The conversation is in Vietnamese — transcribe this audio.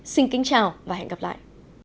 xin kính chào và hẹn gặp lại